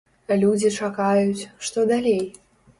Людзі чакаюць, што далей?